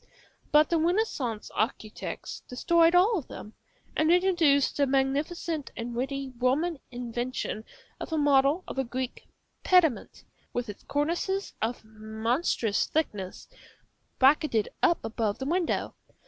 But the Renaissance architects destroyed all of them, and introduced the magnificent and witty Roman invention of a model of a Greek pediment, with its cornices of monstrous thickness, bracketed up above the window.